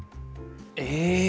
え！